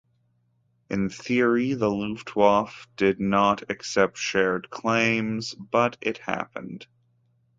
In theory the Luftwaffe did not accept shared claims, but it happened.